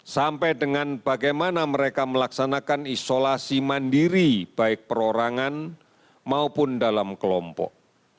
sampai dengan bagaimana mereka melaksanakan isolasi mandiri baik perorangan maupun dalam kelompok